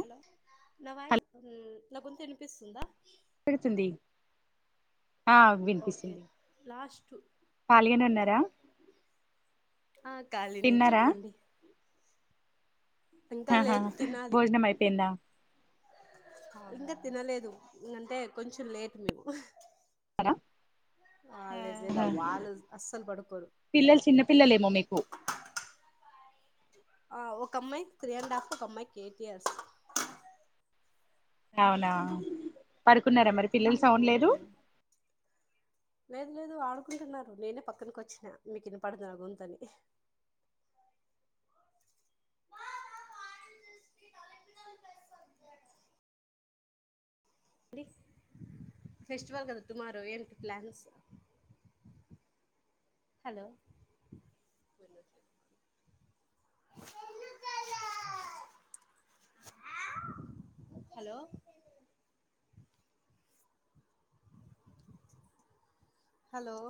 hello నా hello voice ల్ నా గొంతు ఇనిపిస్తుందా పెడుతుంది ఆ ఓకే వినిపిస్తుంది లాస్ట్ ఖాళీగానే ఉన్నారా ఆ ఖాలీనే తిన్నారా చెప్పండి ఇంకా ఆహా లేదు తినాలి భోజనం అయిపోయిందా ఇంకా అవునా తినలేదు ఇంగంతే కొంచెం లేట్ మేము రా వాళ్ళ లేదా ఆ వాళ్ళు అస్సలు పడుకోరు పిల్లలు చిన్నపిల్లలేమో మీకు ఆ ఒక అమ్మాయి త్రీ అండ్ హఫ్ ఒక అమ్మాయికి ఎయిట్ ఇయర్స్ అవునా పడుకున్నారా మరి పిల్లలు సౌండ్ లేదు ఉమ్, లేదు లేదు ఆడుకుంటున్నారు నేనే పక్కన కొచ్చినా మీకు ఇన్నపడదు నా గొంతు అని ఫెస్టివల్ కదా టుమారో ఏంటి ప్లాన్స్ హలో హలో హలో